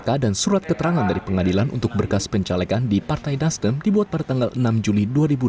kpk dan surat keterangan dari pengadilan untuk berkas pencalekan di partai nasdem dibuat pada tanggal enam juli dua ribu dua puluh